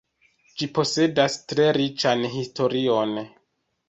Ĝi posedas tre riĉan historion.